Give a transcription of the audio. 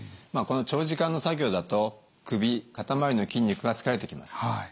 この長時間の作業だと首肩周りの筋肉が疲れてきます。